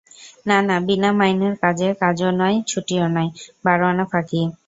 না না বিনা মাইনের কাজ কাজও নয়, ছুটিও নয়, বারো-আনা ফাঁকি।